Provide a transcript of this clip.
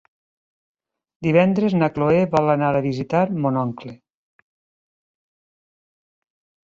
Divendres na Cloè vol anar a visitar mon oncle.